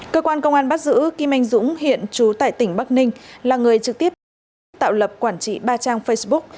cơ quan công an bắt giữ kim anh dũng hiện trú tại tỉnh bắc ninh là người trực tiếp tổ chức tạo lập quản trị ba trang facebook